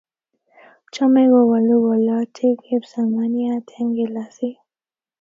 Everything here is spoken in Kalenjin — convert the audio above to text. Chomei ko wolu wolutik kipsimaniat eng' kilasit